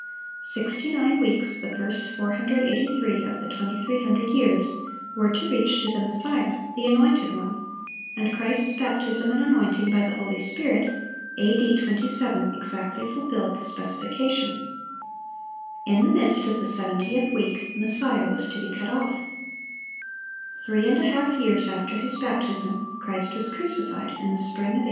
Sixty nine weeks, the first 483 of the 2300 years, were to reach to the Messiah, the Anointed One; and Christ's baptism and anointing by the Holy Spirit, A.D. 27, exactly fulfilled the specification. In the midst of the seventieth week, Messiah was to be cut off. Three and a half years after His baptism, Christ was crucified, in the spring of A.